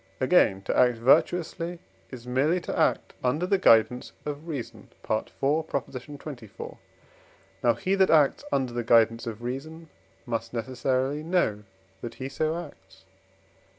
Again, to act virtuously is merely to act under the guidance of reason (IV. xxiv.): now he, that acts under the guidance of reason, must necessarily know that he so acts (II.